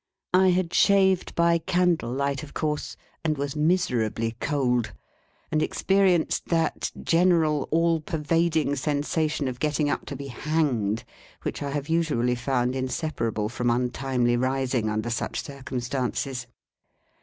I had shaved by candle light, of course, and was miserably cold, and experienced that general all pervading sensation of getting up to be hanged which I have usually found inseparable from untimely rising under such circumstances.